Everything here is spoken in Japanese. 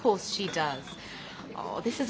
じゃあね。